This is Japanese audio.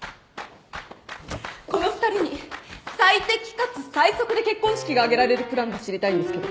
この２人に最適かつ最速で結婚式が挙げられるプランが知りたいんですけど。